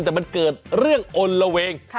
แต่มันเกิดเรื่องอลละเวง